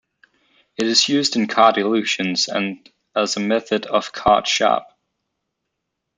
It is used in card illusions, and as a method of card sharp.